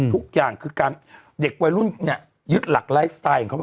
ทุกอย่างคือการเด็กวัยรุ่นเนี่ยยึดหลักไลฟ์สไตล์ของเขา